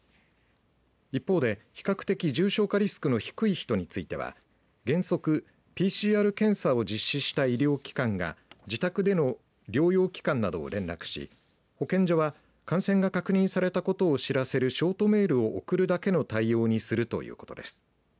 一方で、比較的重症化リスクの低い人については原則、ＰＣＲ検査を実施した医療機関が自宅での療養期間などを連絡し保健所は感染が確認されたことを知らせるショートメールを送るだけの対応にするということです。